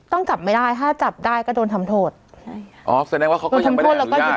ต้องจับไม่ได้ถ้าจับได้ก็โดนทำโทษอ๋อแสดงว่าเขาก็ยังไม่ได้อรุญาต